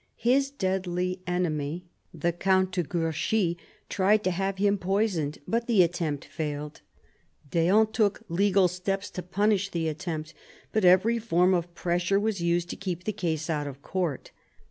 His deadly enemy, the Count de Guerchy, tried to have him poisoned, but the attempt failed. D'Eon took legal steps to punish the attempt; but every form of pressure was used to keep the case out of Court.